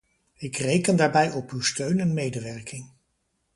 Ik reken daarbij op uw steun en medewerking.